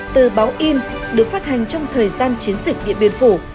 từ báo in được phát hành trong thời gian chiến dịch điện biên phủ